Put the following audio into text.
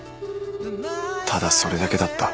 ただそれだけだった